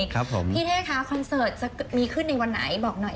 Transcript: ครับผมพี่เท่คะคอนเสิร์ตจะมีขึ้นในวันไหนบอกหน่อย